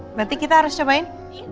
berarti kita harus cobain